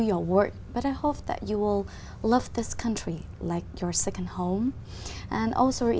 và các trường hợp và trường hợp của chúng tôi